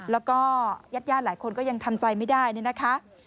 แล้วก็ญาติย่านหลายคนก็ยังทำใจไม่ได้นะคะ